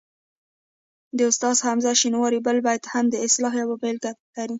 د استاد حمزه شینواري بل بیت هم د اصطلاح یوه بېلګه لري